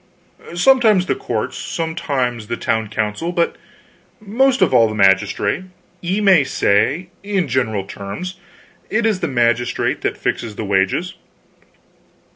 "Sometimes the courts, sometimes the town council; but most of all, the magistrate. Ye may say, in general terms, it is the magistrate that fixes the wages."